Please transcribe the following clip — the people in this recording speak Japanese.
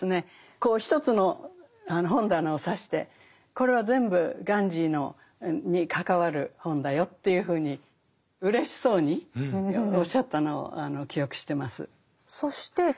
こう１つの本棚を指してこれは全部ガンジーに関わる本だよというふうにうれしそうにおっしゃったのを記憶してます。